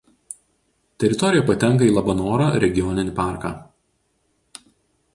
Teritorija patenka į Labanoro regioninį parką.